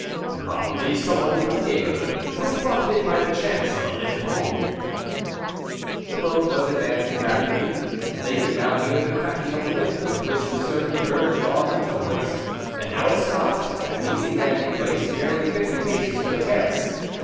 "Probably someone from the neighbourhood, who has profited by the chance of a lift home." The boat was advancing rapidly; they could now hear the cracking of the whip with which the servant urged on the tow horse. And now it stopped, at an easy landing place, barely fifty paces from the terrace.